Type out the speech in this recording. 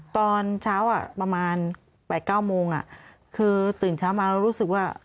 ตอนเช้าประมาณ๘๙โมงคือตื่นเช้ามาแล้วรู้สึกว่า